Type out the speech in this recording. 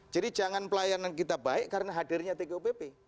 jadi jangan pelayanan kita baik karena hadirnya tgpp